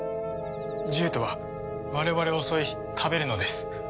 獣人は我々を襲い食べるのです。